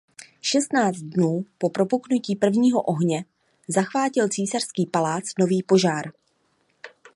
Šestnáct dnů po propuknutí prvního ohně zachvátil císařský palác nový požár.